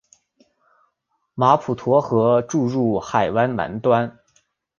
马普托河注入海湾南端。